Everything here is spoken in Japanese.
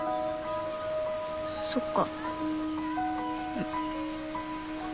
そっか。